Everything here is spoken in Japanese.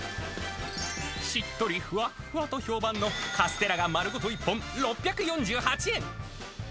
しっとり、ふわっふわと評判のカステラが丸ごと１本６４８円。